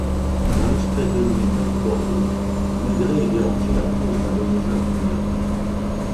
Dans l'express de nuit Paris-Bordeaux, Maigret est dérangé à cause d'un voyageur bruyant.